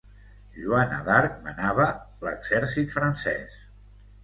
Joana d'Arc manava l'exèrcit francès.